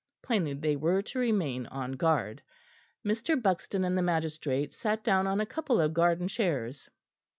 Plainly they were to remain on guard. Mr. Buxton and the magistrate sat down on a couple of garden chairs.